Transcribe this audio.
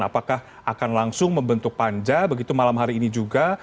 apakah akan langsung membentuk panja begitu malam hari ini juga